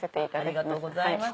ありがとうございます。